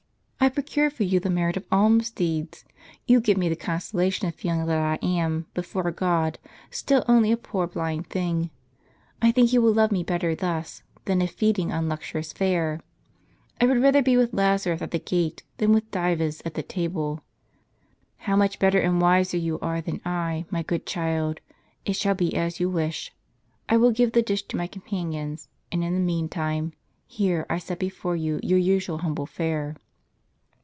I procure for you the merit of alms deeds ; you give me the consolation of feeling that I am, before God, still only a poor blind thing. I think He will love me better thus, than if feeding on luxurious fare. I * Porridge. would rather be with Lazarus at the gate, than with Dives at the table." " How much better and wiser you are than I, my good child ! It shall be as you wish. I will give the dish to my companions, and, in the meantime, here I set before you your usual humble fare."